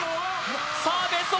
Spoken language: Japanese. さあベスト